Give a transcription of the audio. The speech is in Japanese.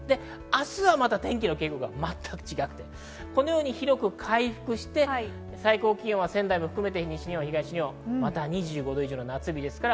明日はまた天気の傾向が全く違って広く回復して最高気温は仙台も含めて西日本、東日本、２５度以上の夏日です。